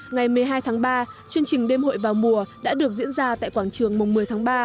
ngày một mươi hai tháng ba chương trình đêm hội vào mùa đã được diễn ra tại quảng trường mùng một mươi tháng ba